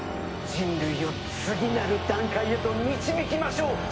人類を次なる段階へと導きましょう！